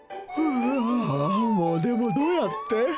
ふわぁもうでもどうやって？